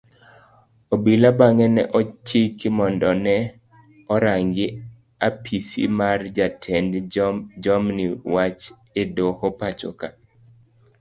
Obila bange ne ochiki mondo ne orangi apisi mar jatend jomin wach edoho mapachoka